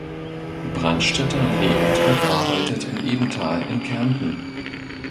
Brandstätter lebt und arbeitet in Ebenthal in Kärnten.